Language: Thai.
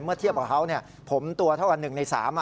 เมื่อเทียบกับเขาผมตัวเท่ากันหนึ่งในสาม